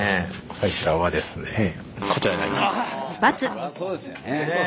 そらそうですよね。